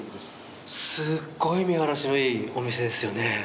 すごい見晴らしのいいお店ですよね。